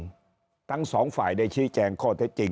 ได้ชี้แจงข้อเท็จจริงทั้งสองฝ่ายได้ชี้แจงข้อเท็จจริง